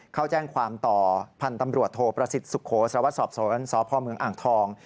เขาแจ้งความต่อพันธุ์ตำรวจโทษประสิทธิ์สุโขสลวัสดิ์สอบสวนสพอังทอง